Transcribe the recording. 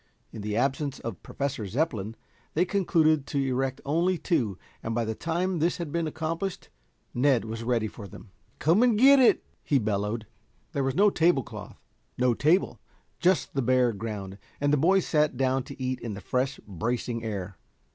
In the absence of Professor Zepplin, they concluded to erect only two, and by the time this had been accomplished, Ned was ready for them. "Come and get it!" he bellowed. There was no table cloth, no table, just the bare ground, and the boys sat down to eat in the fresh, bracing air.